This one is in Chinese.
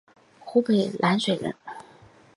湖北蕲水人。